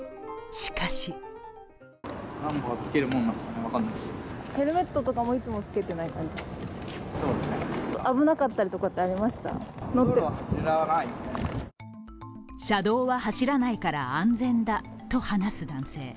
しかし車道は走らないから安全だと話す男性。